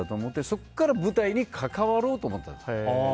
そこから舞台に関わろうと思ったんですよ。